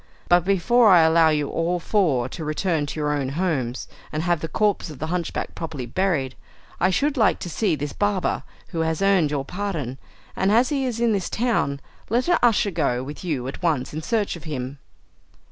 But before I allow you all four to return to your own homes, and have the corpse of the hunchback properly buried, I should like to see this barber who has earned your pardon. And as he is in this town, let an usher go with you at once in search of him."